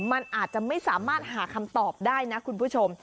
มันอาจจะไม่สามารถหาคำตอบได้นะคุณผู้ชม